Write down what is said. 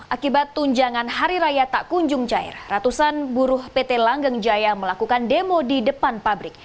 akibat tunjangan hari raya tak kunjung cair ratusan buruh pt langgeng jaya melakukan demo di depan pabrik